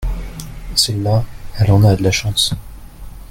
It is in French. celle-là elle en a de la chance.